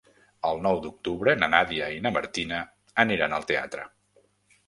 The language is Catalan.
El nou d'octubre na Nàdia i na Martina aniran al teatre.